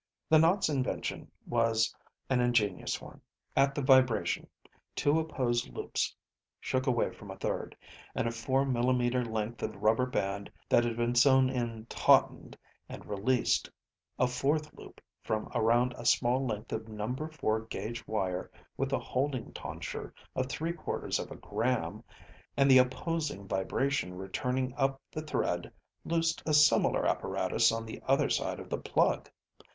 The knot's invention was an ingenuous one. At the vibration, two opposed loops shook away from a third, and a four millimeter length of rubber band that had been sewn in tautened and released a fourth loop from around a small length of number four gauge wire with a holding tonsure of three quarters of a gram, and the opposing vibration returning up the thread loosed a similar apparatus on the other side of the plug.